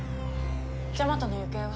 ジャマトの行方は？